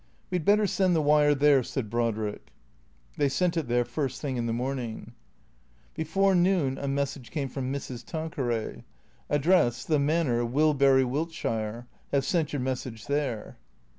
" We 'd better send the wire there," said Brodrick. They sent it there first thing in the morning. 480 THECEEATORS 487 Before noon a message came from Mrs. Tanqueray :" Ad dress, ' The Manor, Wilbury, Wilts.' Have sent your message there."